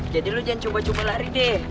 jadi lo jangan cuma cuma lari deh